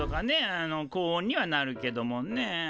あの高温にはなるけどもね。